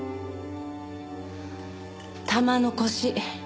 玉の輿。